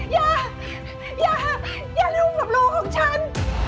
อย่ายายาอย่าลืมกับลูกของฉัน